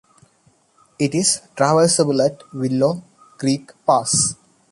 It is traversable at Willow Creek Pass.